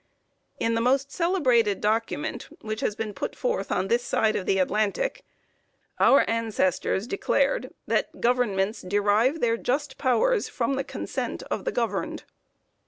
In the most celebrated document which has been put forth on this side of the Atlantic, our ancestors declared that "governments derive their just powers from the consent of the governed."